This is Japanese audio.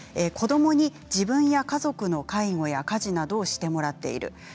子どもに自分や家族の介護や家事などをしてもらっている。